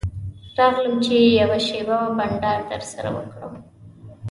راغلم چې یوه شېبه بنډار درسره وکړم.